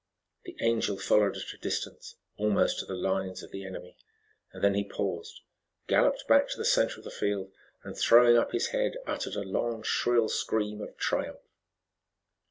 The Angel followed at a distance, almost to the lines of the enemy. Then he paused, galloped back to the center of the field, and throwing up his head uttered a long, shrill scream of triumph.